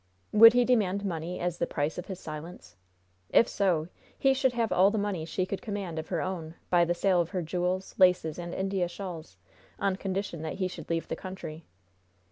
Would he demand money as the price of his silence? If so, he should have all the money she could command of her own by the sale of her jewels, laces and India shawls, on condition that he should leave the country.